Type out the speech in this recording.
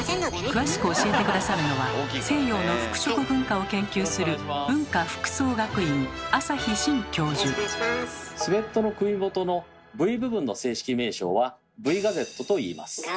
詳しく教えて下さるのは西洋の服飾文化を研究するスウェットの首元のＶ部分の正式名称は「Ｖガゼット」といいます。